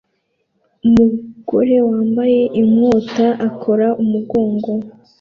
Umugore wambaye inkota akora umugongo